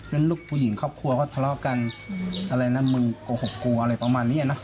แล้วลูกผู้หญิงครอบครัวก็ทะเลาะกันอะไรนะมึงโกหกกูอะไรประมาณนี้นะ